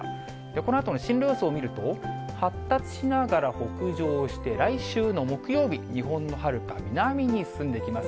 このあとの進路予想を見ると、発達しながら北上して、来週の木曜日、日本のはるか南に進んできます。